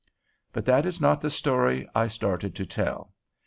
But that is not the story I started to tell.